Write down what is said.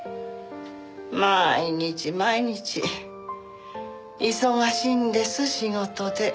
毎日毎日忙しいんです仕事で。